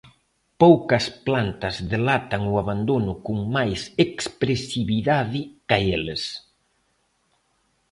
Poucas plantas delatan o abandono con máis expresividade ca eles.